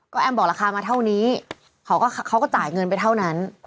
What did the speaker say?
แอมบอกราคามาเท่านี้เขาก็เขาก็จ่ายเงินไปเท่านั้น